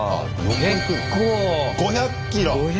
結構！５００キロ！